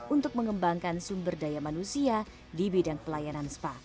untuk mengembangkan sumber daya manusia di bidang pelayanan spa